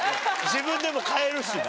自分でも買えるしな。